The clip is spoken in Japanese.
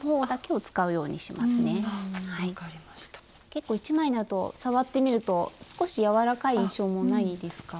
結構１枚になると触ってみると少し柔らかい印象もないですか？